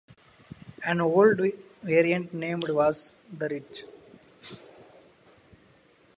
An old variant name was "The Ridge".